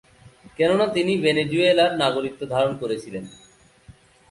কেননা তিনি ভেনেজুয়েলার নাগরিকত্ব ধারণ করছিলেন।